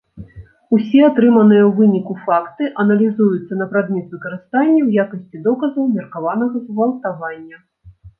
Усе атрыманыя ў выніку факты аналізуюцца на прадмет выкарыстання ў якасці доказаў меркаванага згвалтавання.